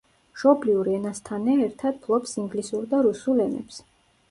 მშობლიურ ენასთანე ერთად ფლობს ინგლისურ და რუსულ ენებს.